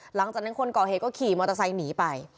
หลังจากนั้นคนก่อเหตุก็ขี่มอเตอร์ไซค์หนีไป